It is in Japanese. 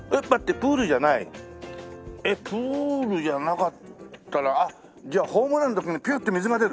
プールじゃなかったらじゃあホームランの時にピュッて水が出る。